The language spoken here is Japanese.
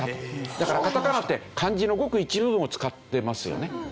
だからカタカナって漢字のごく一部分を使ってますよね。